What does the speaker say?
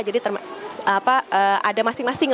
jadi ada masing masing